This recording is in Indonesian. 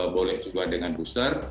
boleh juga dengan booster